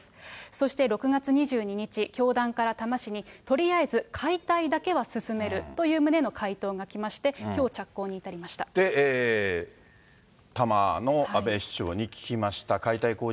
そして６月２２日、教団から多摩市に、とりあえず解体だけは進めるという旨の回答が来まして、きょう着多摩の阿部市長に聞きました。